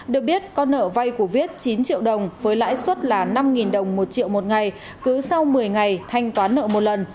được biết con nợ vay của viết chín triệu đồng với lãi suất là năm đồng một triệu một ngày cứ sau một mươi ngày thanh toán nợ một lần